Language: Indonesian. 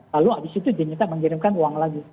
lalu habis itu diminta mengirimkan uang lagi